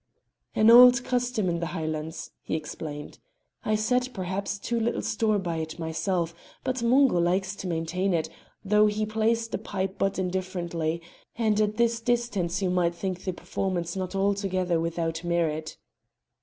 "An old custom in the Highlands," he explained. "I set, perhaps, too little store by it myself, but Mungo likes to maintain it, though he plays the pipe but indifferently, and at this distance you might think the performance not altogether without merit.